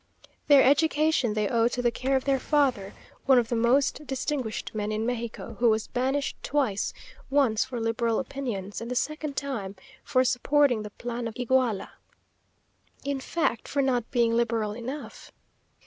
Their education they owe to the care of their father, one of the most distinguished men in Mexico, who was banished twice, once for liberal opinions, and the second time for supporting the "Plan of Iguala," in fact for not being liberal enough.